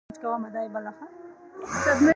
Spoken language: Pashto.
چې لا له وړاندې یې جوړ کړی و، ازاد څرخېدل.